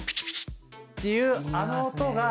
ッていうあの音が。